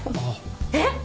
えっ！